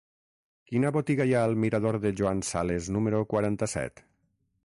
Quina botiga hi ha al mirador de Joan Sales número quaranta-set?